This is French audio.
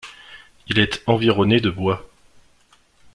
Il est environné de bois.